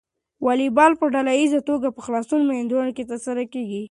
واليبال په ډله ییزه توګه په خلاصو میدانونو کې ترسره کیږي.